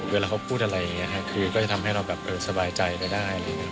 เวลาเค้าพูดอะไรก็ทำให้เราสบายใจไปได้